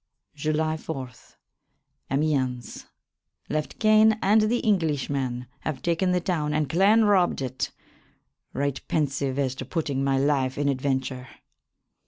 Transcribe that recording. July 4, Amyense. Left Cane and the englysshmen have taken the toune and clene robbed it. Right pensyve as to putting my lyfe in adventure.